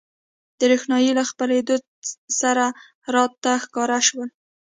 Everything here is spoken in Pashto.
د روښنایۍ له خپرېدو سره راته ښکاره شول.